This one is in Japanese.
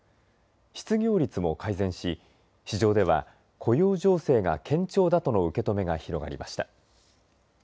失業率も改善し市場では雇用情勢が堅調だとの受け止めが広がりました。